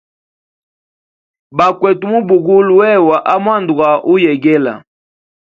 Bakwete mubugula wewa amwanda gwauyegela.